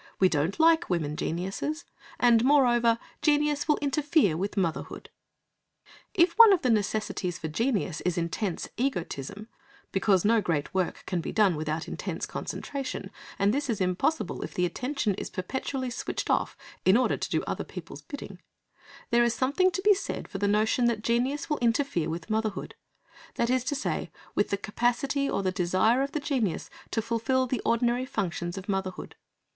We don't like women geniuses, and, moreover, genius will interfere with motherhood." If one of the necessities for genius is intense egotism (because no great work can be done without intense concentration, and this is impossible if the attention is perpetually switched off in order to do other people's bidding), there is something to be said for the notion that genius will interfere with motherhood; that is to say, with the capacity or the desire of the genius to fulfil the ordinary functions of motherhood.